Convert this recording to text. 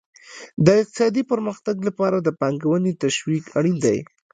د اقتصادي پرمختګ لپاره د پانګونې تشویق اړین دی.